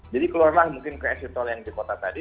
jadi keluarlah mungkin ke exit tol yang di kota tadi